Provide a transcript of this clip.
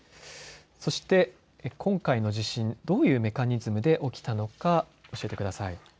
そして今回の地震、どういうメカニズムで起きたのか教えてください。